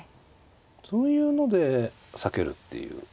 そういうので避けるっていう。